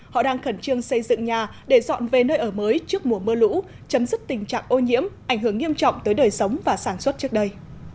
họ đang khẩn trương xây dựng nhà để dọn về nơi ở mới trước mùa mưa lũ chấm dứt tình trạng ô nhiễm ảnh hưởng nghiêm trọng tới đời sống và sản xuất trước đây